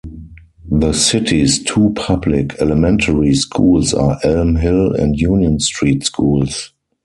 The city's two public elementary schools are Elm Hill and Union Street Schools.